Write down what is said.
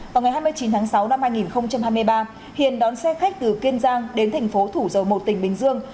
vào ngày hai mươi chín tháng sáu năm hai nghìn hai mươi ba hiền đón xe khách từ kiên giang đến thành phố thủ dầu một tỉnh bình dương